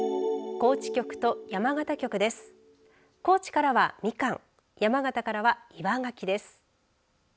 高知からはみかん山形からは岩がきです。